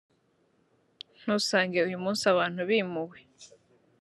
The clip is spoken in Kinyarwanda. ntusange uyu munsi abantu bimuwe